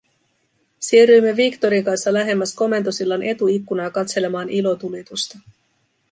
Siirryimme Victorin kanssa lähemmäs komentosillan etuikkunaa katselemaan ilotulitusta.